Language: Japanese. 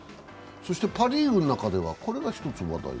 パ・リーグの中ではこれが、一つ話題。